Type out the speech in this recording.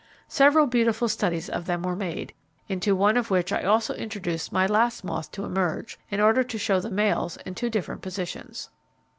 Several beautiful studies of them were made, into one of which I also introduced my last moth to emerge, in order to show the males in two different positions.